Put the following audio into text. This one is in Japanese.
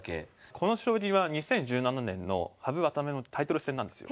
この将棋は２０１７年の羽生渡辺のタイトル戦なんですよ。